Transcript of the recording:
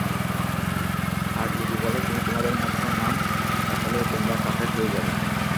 আর যদি বল, তিনি তোমাদের মাতা নন, তাহলেও তোমরা কাফের হয়ে যাবে।